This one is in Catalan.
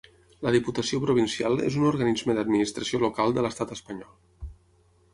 La Diputació provincial és un organisme d'administració local de l'estat espanyol.